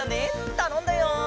たのんだよ！